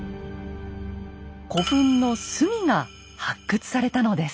古墳の隅が発掘されたのです。